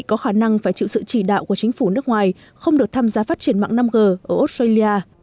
có khả năng phải chịu sự chỉ đạo của chính phủ nước ngoài không được tham gia phát triển mạng năm g ở australia